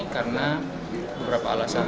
karena beberapa alasan